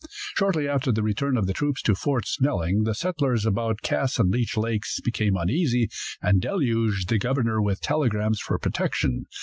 Shortly after the return of the troops to Fort Snelling the settlers about Cass and Leech lakes became uneasy, and deluged the governor with telegrams for protection.